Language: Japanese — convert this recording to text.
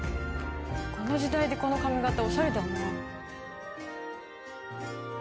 この時代でこの髪型おしゃれだよね。